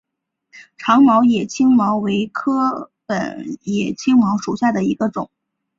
长序野青茅为禾本科野青茅属下的一个种。